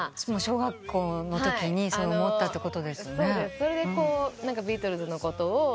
それでビートルズのことを。